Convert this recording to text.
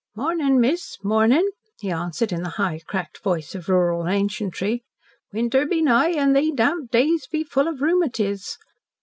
"Mornin', miss mornin'," he answered in the high, cracked voice of rural ancientry. "Winter be nigh, an' they damp days be full of rheumatiz.